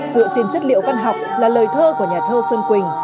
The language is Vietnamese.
dựa trên chất liệu văn học là lời thơ của nhà thơ xuân quỳnh